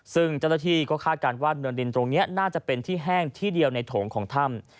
ซึ่งเจ้าหน้าที่ก็คาดการณ์ว่าเนินดินตรงนี้น่าจะเป็นที่แห้งที่เดียวในโถงของถ้ำ